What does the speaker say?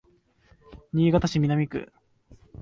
新潟市南区